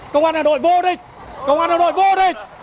công an hà nội vô địch công an hà nội vô địch